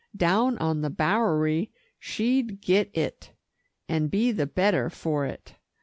Down on the Bowery, she'd get it, and be the better for it.